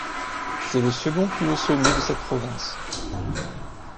C'est le second plus haut sommet de cette province.